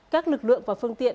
các lực lượng và phương tiện